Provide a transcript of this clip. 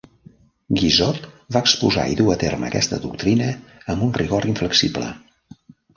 Guizod va exposar i dur a terme aquesta doctrina amb un rigor inflexible.